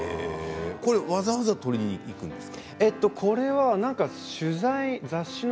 わざわざ撮りに行くんですか。